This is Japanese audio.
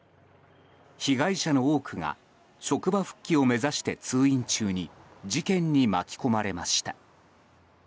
被害者の多くが職場復帰を目指して通院中に事件に巻き込まれました。